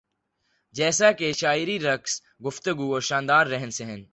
جیسا کہ شاعری رقص گفتگو اور شاندار رہن سہن